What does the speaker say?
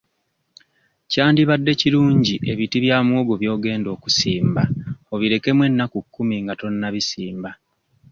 Kyandibadde kirungi ebiti bya muwogo by'ogenda okusimba obirekemu ennaku kkumi nga tonnabisimba.